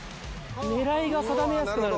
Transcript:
狙いが定めやすくなるんだ。